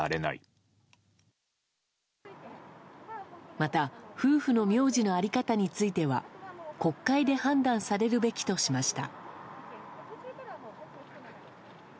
また夫婦の名字の在り方については国会で判断されるべきとしました。